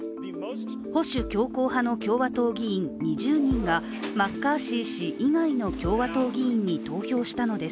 保守強硬派の共和党議員２０人がマッカーシー氏以外の共和党議員に投票したのです。